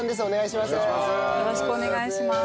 お願いします。